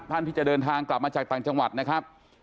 ท่านที่จะเดินทางกลับมาจากต่างจังหวัดนะครับ